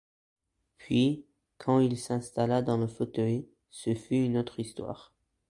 Puis, quand il s'installa dans le fauteuil, ce fut une autre histoire.